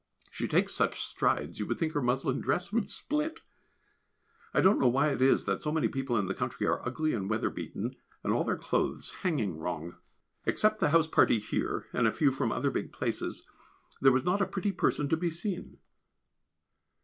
She takes such strides you would think her muslin dress would split. I don't know why it is that so many people in the country are ugly and weather beaten, and all their clothes hanging wrong. Except the house party here, and a few from other big places, there was not a pretty person to be seen.